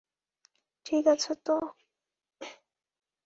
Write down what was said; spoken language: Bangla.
ঠিক আছ তো?